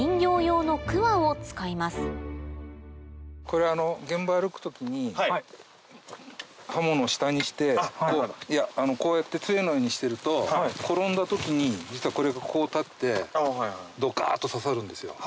これ現場歩く時に刃物下にしてこうやって杖のようにしてると転んだ時に実はこれがこう立ってドカっと刺さるんですよ。